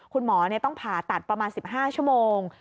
คุณหมอต้องผ่าตัดประมาณ๑๕ชั่วโมง